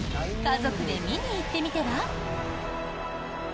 家族で見に行ってみては？